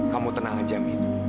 kamu tenang aja mit